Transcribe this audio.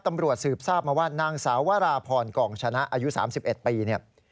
ตำรวจสืบทราบมาว่านางสาววราพรกองชนะอายุ๓๑ปีเนี่ย